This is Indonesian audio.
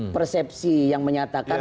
persepsi yang menyatakan